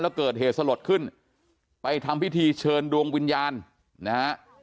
แล้วเกิดเหตุสลดขึ้นไปทำพิธีเชิญดวงวิญญาณนะฮะ